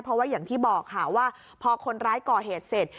เพราะว่าอย่างที่บอกค่ะว่าพอคนร้ายก่อเหตุเสร็จ